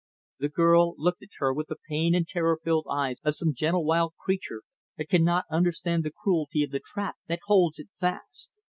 The girl looked at her with the pain and terror filled eyes of some gentle wild creature that can not understand the cruelty of the trap that holds it fast.